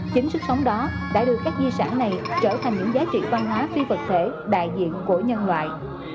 chính sức sống đó đã đưa các di sản này trở thành những giá trị văn hóa phi vật thể đại diện của nhân loại